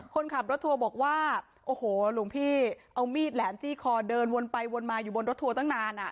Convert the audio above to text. คนขับรถทัวร์บอกว่าโอ้โหหลวงพี่เอามีดแหลมจี้คอเดินวนไปวนมาอยู่บนรถทัวร์ตั้งนานอ่ะ